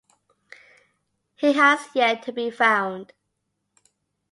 He has yet to be found.